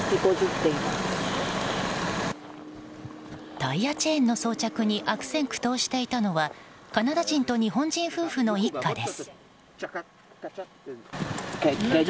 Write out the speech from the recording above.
タイヤチェーンの装着に悪戦苦闘していたのはカナダ人と日本人夫婦の一家です。